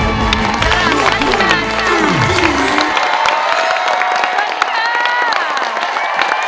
สวัสดีค่ะ